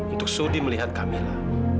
untuk sudi melihat kamila